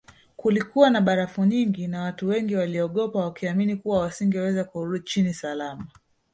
Kulikuwa na barafu nyingi na watu wengi waliogopa wakiamini kuwa wasingeweza kurudi chini salama